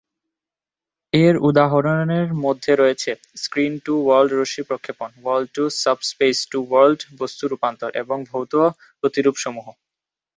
এর উদাহরণের মধ্যে রয়েছে স্ক্রিন-টু-ওয়ার্ল্ড রশ্মি প্রক্ষেপণ, ওয়ার্ল্ড-টু-সাবস্পেস-টু-ওয়ার্ল্ড বস্তু রূপান্তর, এবং ভৌত প্রতিরূপসমূহ।